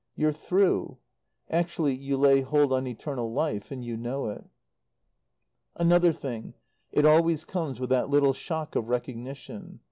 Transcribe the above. You're through. Actually you lay hold on eternal life, and you know it. Another thing it always comes with that little shock of recognition.